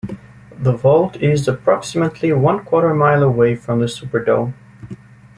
That vault is approximately one quarter mile away from the Superdome.